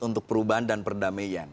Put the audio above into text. untuk perubahan dan perdamaian